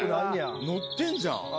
乗ってんじゃん！